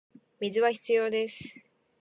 水は必要です